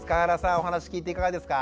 お話聞いていかがですか？